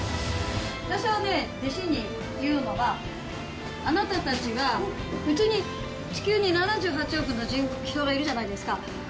私が弟子に言うのは、あなたたちがうちに地球に７８億の人がいるじゃないですか。